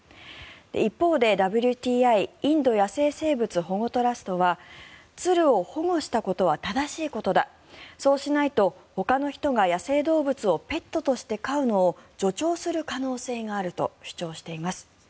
一方で、ＷＴＩ・インド野生生物保護トラストは鶴を保護したことは正しいことだそうしないとほかの人が野生動物をペットとして飼うのを助長する可能性があると主張しています。